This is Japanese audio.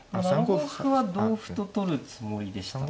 ７五歩は同歩と取るつもりでした。